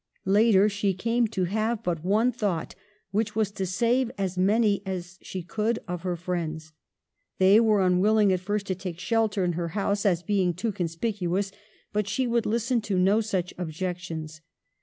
Later, she came to have but one thought, which was to save as many as she could of her friends. They were unwilling at first to take shelter in her house as being too conspicuous; but she would listen to no such objections.